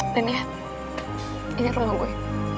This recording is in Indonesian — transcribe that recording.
dania ini rumah gue